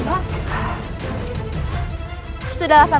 sebaiknya kita lanjutkan perjalanan